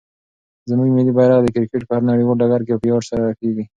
زموږ ملي بیرغ د کرکټ په هر نړیوال ډګر کې په ویاړ سره رپېږي.